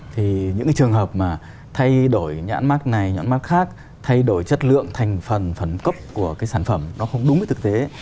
thì những cái trường hợp mà thay đổi nhãn mát này nhãn mát khác thay đổi chất lượng thành phần phần cấp của cái sản phẩm nó không đúng với thực tế